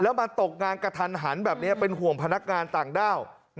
แล้วมาตกงานกระทันหันแบบนี้เป็นห่วงพนักงานต่างด้าว